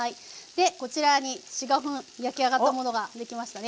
こちらに４５分焼き上がったものができましたね。